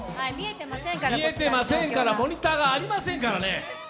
見えてませんから、モニターがありませんからね。